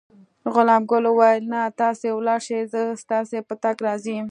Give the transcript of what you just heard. غلام ګل وویل: نه، تاسې ولاړ شئ، زه ستاسي په تګ راضي یم.